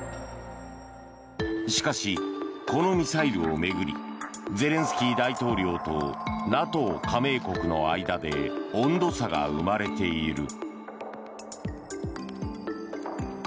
しかし、このミサイルを巡りゼレンスキー大統領とＮＡＴＯ加盟国の間で温度差が生まれている。